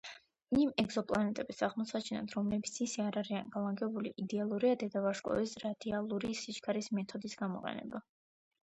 იმ ეგზოპლანეტების აღმოსაჩენად, რომლებიც ასე არ არიან განლაგებული, იდეალურია დედავარსკვლავის რადიალური სიჩქარის მეთოდის გამოყენება.